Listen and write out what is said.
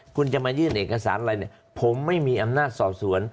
คุณจะมายื่นเอกสารอะไรเนี่ยผมไม่มีอำนาจสอบสวน